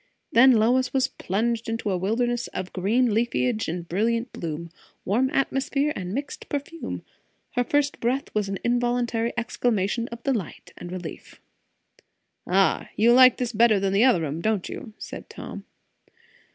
Then Lois was plunged in a wilderness of green leafage and brilliant bloom, warm atmosphere and mixed perfume; her first breath was an involuntary exclamation of delight and relief. "Ah! you like this better than the other room, don't you?" said Tom.